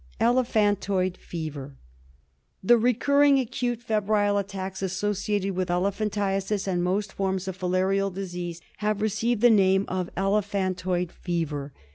Elephantoid Fever. The recurring acute febrile attacks, associated with elephantiasis and most forms of filarial disease, have received the name of *' Elephantoid fever."